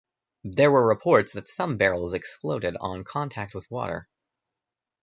There were reports that some barrels exploded on contact with water.